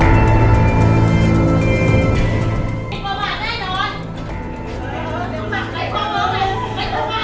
อิแม่เหมือนเฮียทำอะไรมันอย่างนี้ไง